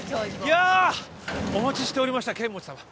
いやぁお待ちしておりました剣持さま！